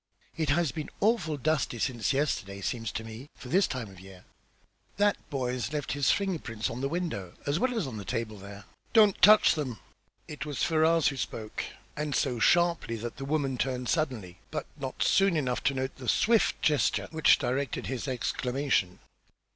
"It has been awful dusty since yesterday, seems to me, for this time of year. That boy's left his finger prints on this window, as well's on the table there." "Don't touch them!" It was Ferrars who spoke and so sharply that the woman turned suddenly, but not soon enough to note the swift gesture which directed his exclamation.